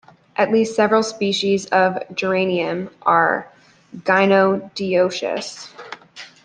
At least several species of "Geranium" are gynodioecious.